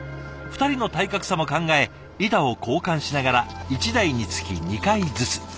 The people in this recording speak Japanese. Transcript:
２人の体格差も考え板を交換しながら１台につき２回ずつ。